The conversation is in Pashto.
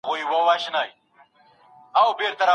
باور پر ځان د ژوند بنسټیزه اړتیا ده.